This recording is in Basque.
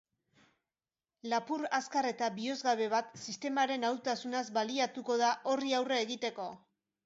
Lapur azkar eta bihozgabe bat sistemaren ahultasunaz baliatuko da horri aurre egiteko.